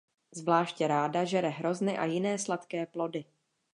Zvláště ráda žere hrozny a jiné sladké plody.